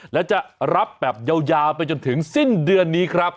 และจะรับแบบยาวไปจนถึงสิ้นเดือนนี้ครับ